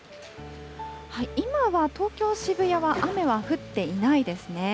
今は東京・渋谷は、雨は降っていないですね。